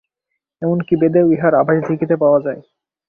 এমন কি বেদেও ইহার আভাস দেখিতে পাওয়া যায়।